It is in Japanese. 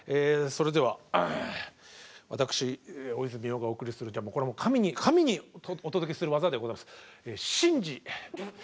それでは私大泉洋がお送りするこれ神にお届けする技でございます